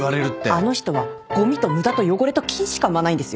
あの人はごみと無駄と汚れと菌しか生まないんですよ。